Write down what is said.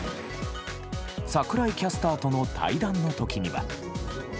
櫻井キャスターとの対談のときには。